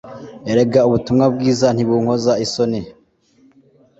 erega ubutumwa bwiza ntibunkoza isoni